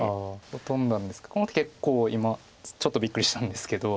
トンだんですがこの手結構今ちょっとびっくりしたんですけど。